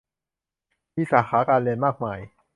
มีสาขาการเรียนมากมาย